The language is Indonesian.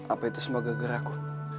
apa itu semua geger aku